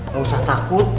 gak usah takut